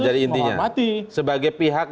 jadi intinya sebagai pihak